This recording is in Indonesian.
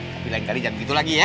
tapi lain kali jangan begitu lagi ya